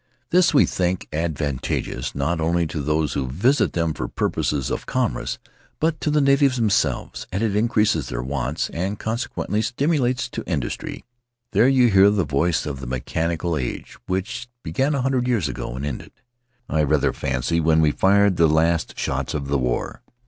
This we think advan tageous, not only to those who visit them for purposes of commerce, but to the natives themselves, as it increases their wants, and consequently stimulates to industry.' There you hear the voice of the mechanical age, which began a hundred years ago and ended — I rather fancy — when we fired the last shots of the war.